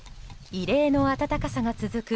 異例の暖かさが続く